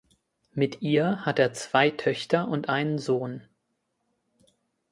Mit ihr hat er zwei Töchter und einen Sohn.